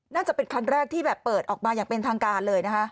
น่าจะเป็นครั้งแรกที่แบบเปิดออกมาอย่างเป็นทางการเลยนะคะ